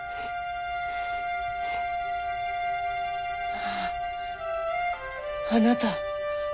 まああなた。